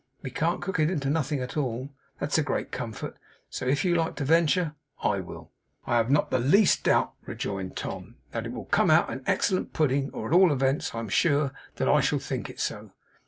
We can't cook it into nothing at all; that's a great comfort. So if you like to venture, I will.' 'I have not the least doubt,' rejoined Tom, 'that it will come out an excellent pudding, or at all events, I am sure that I shall think it so.